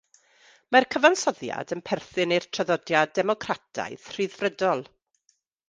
Mae'r cyfansoddiad yn perthyn i'r traddodiad democrataidd rhyddfrydol.